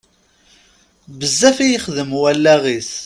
Bezzaf i yexdem wallaɣ-is.